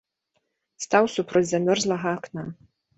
Стаў супроць замёрзлага акна.